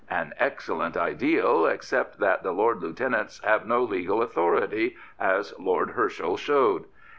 An excellent ideal, except that the lord lieutenants have no legal authority, as Lord Herschel showed.